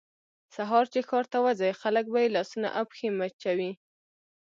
سهار چې ښار ته وځي خلک به یې لاسونه او پښې مچوي.